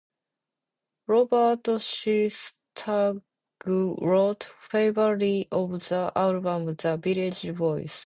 Robert Christgau wrote favourably of the album in "The Village Voice".